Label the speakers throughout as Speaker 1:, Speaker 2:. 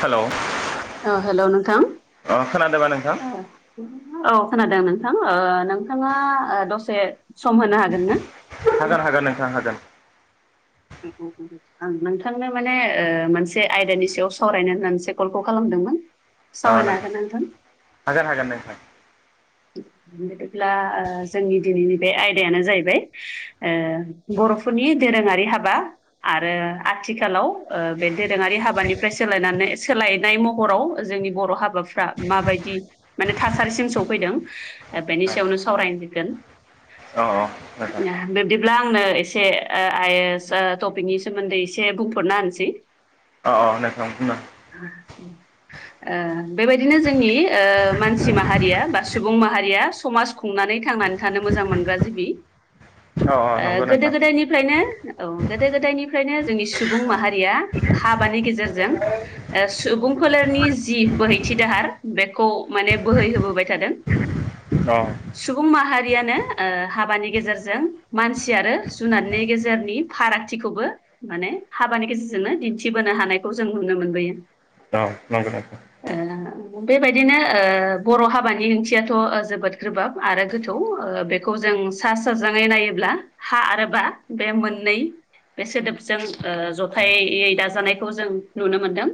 Speaker 1: Hello
Speaker 2: hello नोंथां
Speaker 1: अ खोनादोंबा नोंथां
Speaker 2: औ खोनादों? औ खोनादों नों थां नोंथाङा दसे सम होनो हागोन ना?
Speaker 1: हागोन हागोन नोंथां हागोन
Speaker 2: नोंथांनो माने मोनसे आयदानि सायाव सावरायनो होननानैसो कलखौ खालामदोंमोन। सावरायनो हागोना नोंथां?
Speaker 1: हागोन हागोन नोंथां
Speaker 2: बिदिब्ला जोंनि दिनैनि बे आयदायानो जाहैबाय ओ ग बर'फोरनि दोरोङारि हाबा आरो आथिखालाव बे दोरोङारि हाबानिफ्राय सोलायनाय।। सोलायनाय महराव जोंनि बर' हाबाफ्रा माबायदि माने थासारिसिम सफैदों। बेनि सायावनो सावरायगोन।
Speaker 1: औ
Speaker 2: बिब्दिब्ला आंनो एसे आइस टपिकनि सोमोन्दै एसे बुंथरना होनसै। [inaudible]
Speaker 1: अ नोंथां बुं
Speaker 2: बेबायदिनो जोंनि ओ मानसि माहारिया बा सुबुं माहारिया समाज खुंनानै थांनानै थानो मोजां मोनग्रा जिबि
Speaker 1: अ
Speaker 2: ओ
Speaker 1: नंगौ
Speaker 2: गोदो
Speaker 1: नोंथां
Speaker 2: गोदायनिफ्रायनो। औ गोदो गोदायनिफ्रायनो जोंनि सुबुं माहारिया हाबानि गेजेरजों सुबुंफोरनि जि बोहैथि दाहार बेखौ ओ माने बोहैहोबोबाय थादों।
Speaker 1: अ औ
Speaker 2: सुबुं माहारियानो ओ हाबानि गेजेरजों मानसि आरो जुनारनि गेजेरनि फारागथि खौबो माने हाबानि गेजेरजोंनो दिन्थिबोनो हानायखौ जों नुनो मोनबोयो।
Speaker 1: औ नंगौ नंगौ।
Speaker 2: बेबायदिनो बर' हाबानि ओंथियाथ' थ जोबोद गोबाब आरो गोथौ बेखौ जों सा साजाङै नायोब्ला हा आरो बा बे मोननै बे सोदोबजों जथायै दाजानायखौ जों नुनो मोनदों।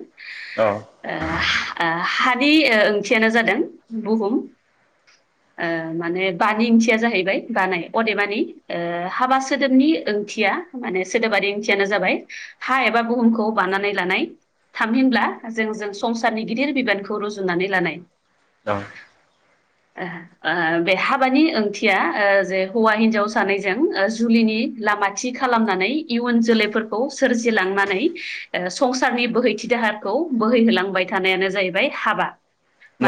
Speaker 1: औ
Speaker 2: ओ हानि ओंथियानो जादों बुहुम माने बानि ओंथिया जाहैबाय बानाय अदेमानि हाबा सोदोबनि ओंथिया माने सोदोबारि ओंथियानो जाबाय हा एबा बुहुमखौ बानानै लानाय। थामहिनब्ला जोंजों संसारनि गिदिर बिबानखौ रुजुनानै लानाय।
Speaker 1: औ
Speaker 2: बे हाबानि ओंथिया जे हौवा हिनजाव सानैजों जुलिनि लामाथि खालामनानै इयुन जोलैफोरखौ सोरजिलांनानै संसारनि बोहै थि दाहारखौ बोहैहोलांबाय थानायानो जाहैबाय हाबा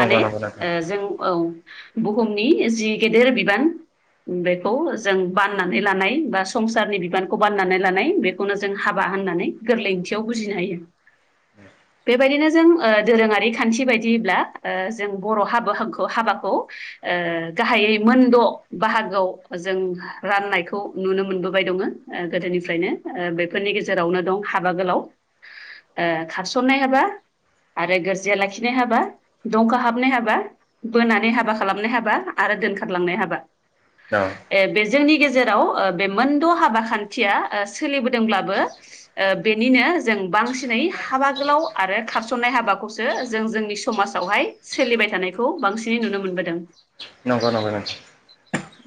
Speaker 1: नंगौ नंगौ नोंथां
Speaker 2: जों औ बुहुमनि जि गेदेर बिबान बेखौ जों बाननानै लानाय बा संसारनि बिबानखौ बाननानै लानाय बेखौनो जों हाबा होननानै गोरलै ओंथियाव बुजिनो हायो। बेबायदिनो जों दोरोङारि खान्थि बायदिब्ला जों बर' हाबो हांग हाबाखौ गाहायै मोनद' बाहागोआव जों राननायखौ नुनो मोनबोबाय दङ गोदोनिफ्रायनो बेफोरनि गेजेरावनो दं हाबा गोलाव खारसननाय हाबा आरो गोरजिया लाखिनाय हाबा दंख हाबनाय हाबा बोनानै हाबा खालामनाय हाबा आरो दोनखारलांनाय हाबा
Speaker 1: औ
Speaker 2: ए बे जोंनि गेजेराव बे मोनद' हाबा खान्थिया सोलिबोदोंब्लाबो बेनिनो जों बांसिनै हाबा गोलाव आरो खारसननाय हाबाखौसो जों जोंनि समाजावहाय सोलिबाय थानाय खौ बांसिनै नुनो मोनबोदों।
Speaker 1: नंगौ नंगौ नंगौ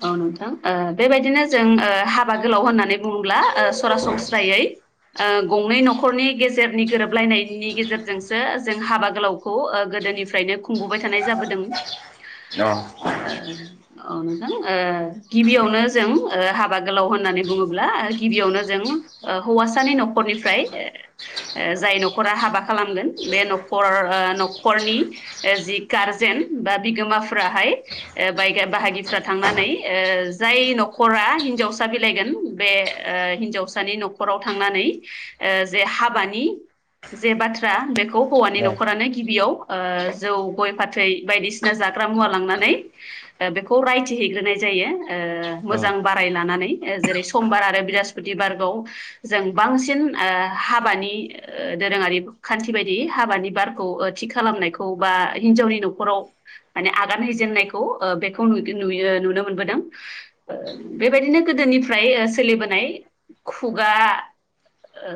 Speaker 2: औ नोंथां बेबायदिनो जों हाबा गोलाव होननानै बुङोब्ला सरासनस्रायै गंनै न'खरनि गेजेरनि गोरोबलायनायनि गेजेरजोंसो जों हाबा गोलावखौ गोदोनिफ्रायनो खुंबोबाय थानाय जाबोदों
Speaker 1: औ
Speaker 2: ओ नोंथां गिबियावनो जों हाबा गोलाव होननानै बुङोब्ला गिबियावनो जों हौवासानि न'खरनिफ्राय जाय न'खरा हाबा खालामगोन बे न'खर न'खरनि जि गारजेन बा बिगोमाफ्राहाय बाय बाहागिफ्रा थांनानै जाय न'खर न'खरा हिनजावसा बिलाइगोन बे हिनजावसानि न'खराव थांनानै ओ जे हाबानि जे बाथ्रा बेखौ हौवानि न'खरानो गिबियाव जौ गय फाथै बायदिसिना जाग्रा मुवा लांनानै बेखौ रायथिहैग्रोनाय जायो ओ मोजां बाराय लानानै जेरै समबार आरो बृहस्पतिबारखौ जों बांसिन ओ हाबानि दोरोङारि खान्थि बायदि हाबानि बारखौ थि खालामनायखौ बा हिनजावनि न'खराव माने आगान हैजेननायखौ बेखौ नुयो नुनो मोनबोदों बेबायदिनो गोदोनिफ्राय सोलिबोनाय खुगा ओ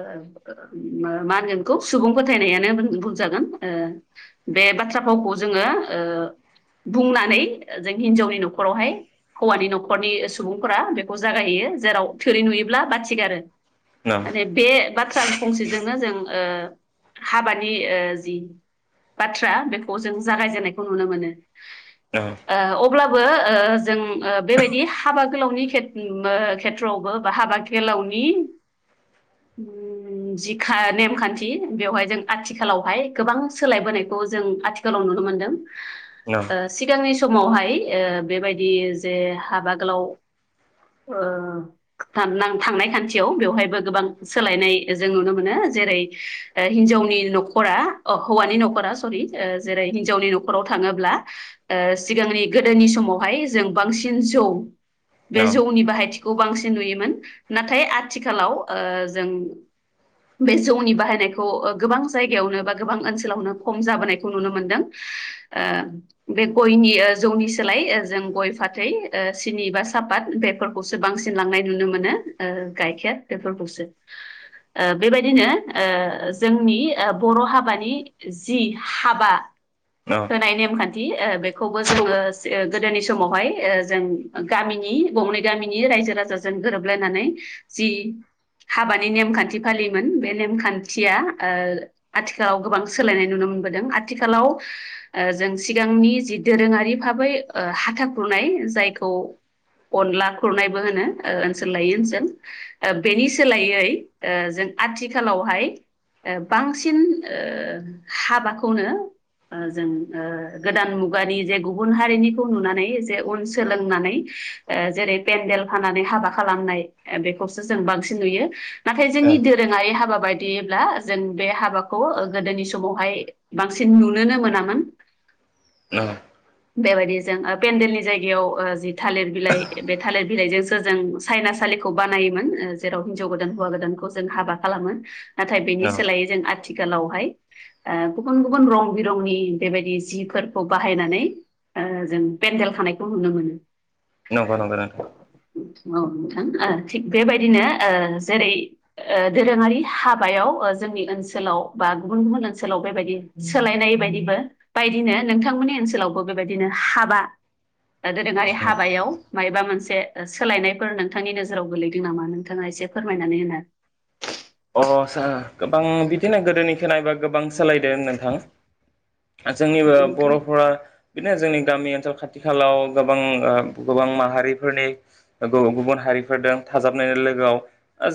Speaker 2: मा होनगोन बेखौ सुबुं फोथायनायानो बुंजागोन ओ बे बा -थ्रा फावखौ जोङो बुंनानै जों हिनजावनि न'खरावहाय हौवानि न'खरनि सुबुंफोरा बेखौ जागायहैयो जेराव थोरि नुयोब्ला बाथि गारो माने बे बाथ्रा फंसेजोंनो जों ओ हाबानि जि बाथ्रा बेखौ जों जागायजेननायखौ नुनो मोनो ओ अब्लाबो जों बेबायदि हाबा गोलावनि खेथ खेथ्रआवबो बा हाबा गोलावनि ओम जि खा नेमखान्थि बेवहाय जों आथिखालावहाय गोबां सोलायबोनायखौ जों आथिखा खालाव नुनो मोनदों सिगांनि स समावहाय ओ बेबायदि जे हाबा गोलाव थांनाय खान्थियाव बेवहायबो गोबां सोलायनाय जों नुनो मोनो जेरै हिनजावनि न'खरा अ हौवानि न'खरा सरि ओ जेरै हिनजावनि न'खराव थाङोब्ला ओ सिगांनि गोदोनि समावहाय जों बांसिन जौ बे जौनि बाहायथि खौ बांसिन नुयोमोन नाथाय आथिखालाव जों बे जौनि बाहायनायखौ गोबां जायगायावनो बा गोबां ओनसोलावनो खम जाबोनाय -खौ नुनो मोनदों बे गयनि जौनि सोलाय जों गय फाथै सिनि बा सापात बेफोरखौसो बांसिन लांनाय नुनो मोनो ओ गाइखेर बेफोरखौसो ओ बेबायदिनो ओ जोंनि बर' हाबानि जि हाबा होनाय नेमखान थि बेखौबो जोङो गोदोनि समावहाय जों गामिनि गंनै गामिनि रायजो राजाजों गोरोबलायनानै जि हाबानि नेमखान्थि फालियोमोन बे नेमखान्थिया आथिखालाव गोबां सोलायनाय नुनो मोनबा दों आथिखालाव जों सिगांनि जि दोरोङारि भाबै हाथाखुनाय जायखौ अनला खुरनायबो होनो ओनसोल लायै ओनसोल बेनि सोलायै ओ जों आथिखालावहाय बांसिन ओ हाबाखौनो जों गोदान मुगानि जे गुबुन हारिनिखौ नुनानै जे उन सोलोंनानै जेरै पेन्देल फानानै हाबा खालामनाय बेखौसो जों बांसिन नुयो नाथाय जोंनि दोरोङारि हाबा बायदिब्ला जों बे हाबाखौ गोदोनि समावहाय बांसिन नुनोनो मोनामोन
Speaker 1: औ
Speaker 2: बेबायदि जों पेन्देलनि जायगायाव जि थालिर बिलाइ बे थालिर बिलाइजोंसो जों साइना सा -लिखौ बानायोमोन जेराव हिनज गोदान हौवा गोदानखौ जों हाबा खालामो नाथाय बेनि सोलायै जों आथिखालावहाय ओ गुबुन गुबुन रं बिरंनि बेबायदि जिफोरखौ बाहायनानै जों पेडेल खानायखौ नुनो मोनो।
Speaker 1: नंगौ नंगौ नों
Speaker 2: औ नोंथां थिग बेबायदिनो जेरै दोरोङारि हाबायाव जों नि ओनसोलाव बा गुबुन गुबुन ओनसोलाव बेबायदि सोलायनाय बायदिबो बायदिनो नोंथांमोननि ओनसोलावबो बेबायदिनो हाबा दोरोङारि हाबायाव मायबा मोनसे सोलायनायफोर नोंथांनि नोजोराव गोलैदों नामा नोंथाङा एसे फोरमायनानै होनो
Speaker 1: अ सार गोबां बिदिनो गोदोनि खोनायोबा गोबां सोलायदों नोंथां। जोंनिबो बर'फोरा बिदिनो जोंनि गामि ओनसोल खाथि खालाव गोबां गोबां माहारिफोरनि गुबुन हारि थाजाबनाय लोगो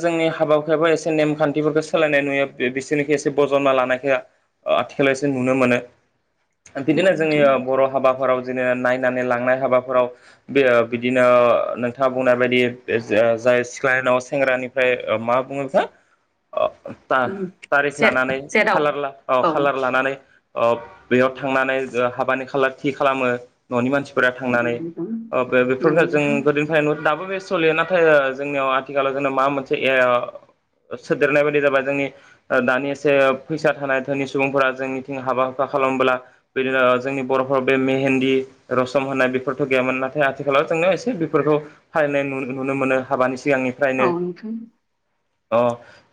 Speaker 1: जोंनि हाबाफ्राबो एसे नेमखान्थिफोरखौ सोलायनाय नुयो बिसोरनिखो एसे बजनना लानायखो आथिखालायसो नुनो मोनो बिदिनो जोंनि
Speaker 2: नोंथां।
Speaker 1: बर' हाबाफोराव बिदिनो नायनानै लांनाय हाबाफोराव बे बिदिनो नोंथाङा बुंनाय बायदि जाय सिख्ला नाव सेंग्रानिफ्राय मा बुङो हो थारिख
Speaker 2: जे
Speaker 1: लानानै
Speaker 2: जेराव
Speaker 1: खााल
Speaker 2: औ
Speaker 1: खाालार लानानै बेयाव थांनानै हाबानि खालार थि खालामो न'नि मानसि थांनानै
Speaker 2: नोंथां
Speaker 1: बे
Speaker 2: औ
Speaker 1: बेफोरखौ जों
Speaker 2: नोंथां
Speaker 1: गोदोनिफ्राय दाबो बे सोलियो नाथाय जोंनियाव आथिखालाव जों मा मोनसे सोदेरनाय बायदि जाबाय जोंनि दानि एसे फैसा थानाय धोनि सुबुंफोरा जोंनिथिं हाबा हुखा खालामोब्ला बिदिनो जोंनि बर'फोराव बे मेहेन्ददि रसम होननाय बेफोरथ' गैयामोन नाथाय आथिखालाव एसे बेफोरखौ फानाय नुनो मोनो हाबानि सिगांनिफ्रायनो
Speaker 2: औ
Speaker 1: अ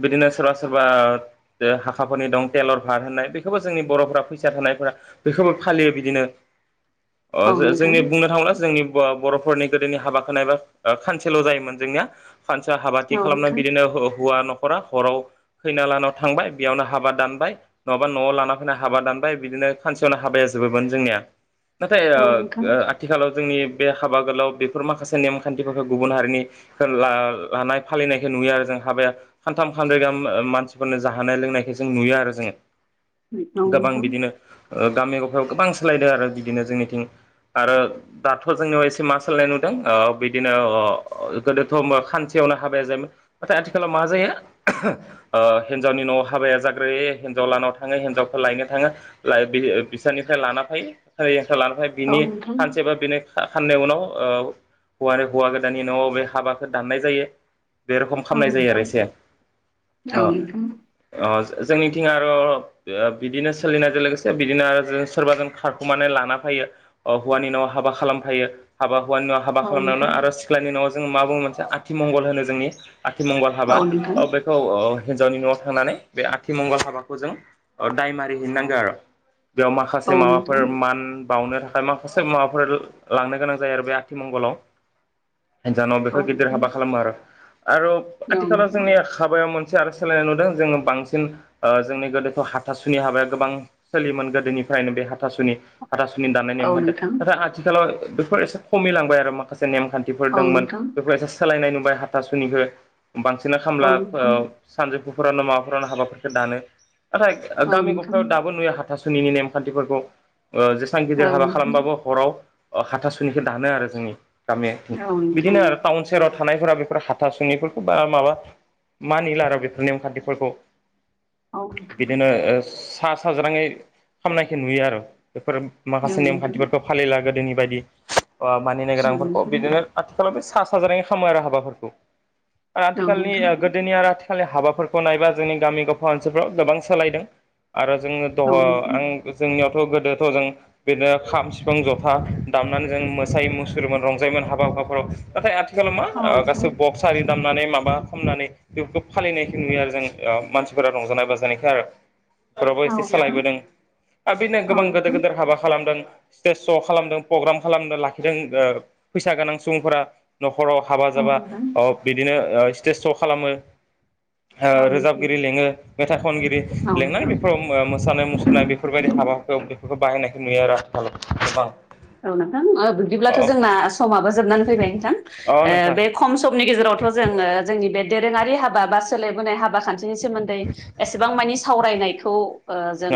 Speaker 1: बिदिनो सोरबा सोरबा हाखाफोरनि दं तेलर भार होननाय बेखौबो जोंनि बर'फ्रा फैसा थानायफोरा बेखौबो फालियो बिदिनो
Speaker 2: [inaudible]
Speaker 1: अ
Speaker 2: नोंथां
Speaker 1: ज-जोंनि बुंनो थाङावना जोंनि बर'फोरनि गोदोनि हाबाखो नायबा खानसेल' जायोमोन जोंनिया फानसेया हाबाथि
Speaker 2: औ नोंथां
Speaker 1: खालामनानै बिदिनो ह हौवा न'खरा हराव खैना लानाव थांबाय बेयावनो हाबा दानबाय नङाबा न'आव लाना फैना हाबा दानबाय ओमफ्राय बिदिनो खानसेयावनो हाबाया जोबोमोन जोंनिया नाथाय
Speaker 2: औ नोंथां
Speaker 1: ओ आथिखालाव जोंनि बे हाबा गोलाव बेफोर माखासे नेमखान्थिफोरखौ गुबुन हारिनिखौ लानाय फालिनायखौ नुयो आरो जों हाबाया सानथाम खानब्रै गाहाम मानसिफोरनो जाहोनानाय लोंनायखौ जों नुयो आरो जोङो गोबां बिदिनो गामि गफायाव गोबां सोलायदों आरो बिदिनो जोंनिथिं आरो दाथ' जोंनियाव एसे मा सोलायनाय नुदों ओ बिदिनो अ गोदोथ' खानसेयाव हाबाया जायोमोन नाथाय आथिखालाव मा जायो हिनजावनि न'आव हाबाया जाग्रोयो हिनजाव हिनजाव थाङो हिनजावखौ लायनो थाखाय थाङो बिसोरनिफ्राय लाना फै लाना फै बिनि
Speaker 2: औ नोंथां औ नोंथां औ नोंथां
Speaker 1: सानसे बा बिनो खाननोय उनाव ओ हौवा हौवा गोदानानि न'आव बे हाबाखौ दाननाय जायो बे रखम
Speaker 2: औ
Speaker 1: खालामनाय जायो आरो
Speaker 2: नोंथां
Speaker 1: एसे
Speaker 2: औ नोंथां औ नोंथां
Speaker 1: अ
Speaker 2: औ नोंथां
Speaker 1: अ जोंनिथिं आरो ओ बिदिनो सोलिनायजों लोगोसे बिदिनो आरो जों सोरबा जों खारखुमानानै लाना फै फैयो ओ हौवानि न'नाव हाबा खालामफायो हाबा हौवानि उनाव हाबा खालामनायावनो आरो
Speaker 2: औ
Speaker 1: सिख्लानि उनाव जों मा बुङो मोनसे आथिमंगल होनो जोंनि आथिमंगल हाबा
Speaker 2: नोंथां
Speaker 1: ओ बेखौ ओ हिनजावनि न'आव थांनानै बे आथिमंगल हाबाखौ जों ओ दाय मारिहैनो नांगौ आरो बेयाव माखासे माबाफोर मान बावनो थाखाय माखासे मुवाफोर लांनो गोनां जायो आरो बे आथिमंगलाव हिनजानाव बेखौ गिदिर हाबा खालामो आरो आरो आथिखालाव जोंनि हाबायाव मोनसे आरो सोलायनाय नुदों जोङो बांसिन ओ जोंनि गोदोथ' हाथासुनि हाबाया गोबां सोयोमोन गो गोदैनिफ्रायनो बे हाथासुनि हाथास'नि दानायनाय नेम
Speaker 2: औ नोंथां औ नोंथां औ नोंथां औ नोंथां औ
Speaker 1: खानथि
Speaker 2: नोंथां
Speaker 1: नाथाय आथिखालाव बेफोर एसे खमैलांबाय आरो माखासे नेमखान्थिफोर दंमोन बेफोर एसे सोलायनाय नुबाय हाथासुनिखौ बांसिना खामला फो ओ सानजौफुफोरावनो माबाफोरावनो हाबाफोरखौ दानो नाथाय
Speaker 2: औ
Speaker 1: गामि
Speaker 2: नोंथां
Speaker 1: गफायाव दाबो नुयो हाथासुनिनि नेमखान्थिफोरखौ ओ जेसेबां गिदिर
Speaker 2: औ
Speaker 1: हाबा
Speaker 2: नोंथां
Speaker 1: खालामबाबो हराव हाथासुनिखौ दानो आरो जोंनि गामि
Speaker 2: औ नोंथां
Speaker 1: बिदिनो आरो टाउन सहेराव थानायफोरा बेफोर हा थासुनिफोरखौ बा माबा मानिला आरो बेफोर नेम खान्थिफोरखौ
Speaker 2: औ नोंथां
Speaker 1: बिदिनो ओ सा साज्राङै खालाम नायखो नुयो आरो बेफोर
Speaker 2: औ
Speaker 1: माखासे
Speaker 2: नोंथां
Speaker 1: नेमखान्थिफोरखौ फालिला गोदोनि बायदि ओ मानिनो
Speaker 2: औ
Speaker 1: गोनांफोरखौ
Speaker 2: नोंथां
Speaker 1: बिदिनो आथिखालाव बे सा साज्राङै खालामो आरो हाबाफोरखौ ओ आथिखालनि गोदोनि आरो खालि हाबाफोरखौ नायबा जोंनि गामि गफा ओनसोलफ्राव गोबां सोलायदों आरो जोंङो
Speaker 2: औ नोंथां औ नोंथां
Speaker 1: दंङो
Speaker 2: औ
Speaker 1: आं
Speaker 2: नोंथां
Speaker 1: जोंनियाव थ' गोदोथ' जों बिदिनो खाम सिफुं जथा दामनानै जों मोसायो मुसुरोमोन रंजायोमोन हाबा [unintelligible] नाथाय आथिखालाव मा
Speaker 2: औ नोंथां औ नोंथां औ
Speaker 1: ओ
Speaker 2: नोंथां
Speaker 1: गासैबो सारि दामनानै माबा खामनानै बेफोरखौ फालिनायखौ नुयो आरो जों मानसिफोरा रंजानाय बाजानायखाय आरो। बेावबो एसे सालायबोदों आरो बिनो गोबां गिदेर गिदेर हाबा खालामदों स्टेज श' खालामदों प्रग्राम खालामदों लाखिदों फैसा गोनां सुबुंफोरा नखर हराव हाबा जाबा अ
Speaker 2: औ
Speaker 1: बिदिनो ओ स्टेज श' खालामो। ओ
Speaker 2: नोंथां
Speaker 1: रोजाबगिरि लेंङो मेथाइ खनगिरि
Speaker 2: औ
Speaker 1: लिंनानै
Speaker 2: नोंथां
Speaker 1: बेफोर मोसानाय मुसुरनाय बेफोरबायदि हाबा बेफोरखौ बाहायनायखौ नुयो आरो आथिखालाव गोबां
Speaker 2: औ नोंथां
Speaker 1: अ
Speaker 2: बिदिब्लाथ' जोंना समाबो जोबनानै फैबाय नोंथां
Speaker 1: अ नोंथां
Speaker 2: बे खम समनि गेजेरावथ' जोंङो जोंनि बे दोरोंङारि हाबा बा सोलायबोनाय हाबा खान्थि नि सोमोन्दै एसेबां मानि सावरायनायखौ ओ जों
Speaker 1: अ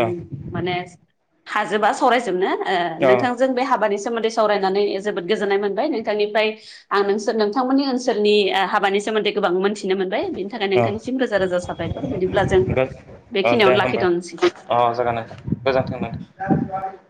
Speaker 2: माने हाजोबा सरायजोबनो
Speaker 1: अ
Speaker 2: नोंथां हाबानि सोमोन्दै सावरायनानै जोबोद गोजोननाय मोनबाय नोंथांनिफ्राय आं नोंसोर नोंथांमोननि ओनसोलनि। हाबानि सोमोनदै गोबां मोनन्थिनो मोनबाय बिनि थाखाय
Speaker 1: अ
Speaker 2: नोंथांनिसिम रोजा रोजा साबायखर बिदिब्ला जों।
Speaker 1: अ दे
Speaker 2: बेखिनियावनो
Speaker 1: होमबा
Speaker 2: लाखिथ'नोसै
Speaker 1: अ जागोन आ गोजोन्थों।